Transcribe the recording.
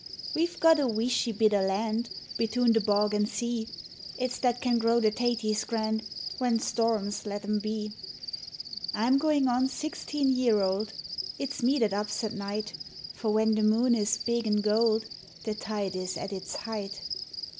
We've got a weeshie bit o' land Betune the bog and sea; It's that can grow the taties grand When storrums let them be. I'm goin' on sixteen year old ; It's me that ups at night, For when the moon is big an' gold The tide is at its height.